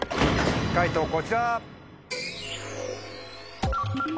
解答こちら。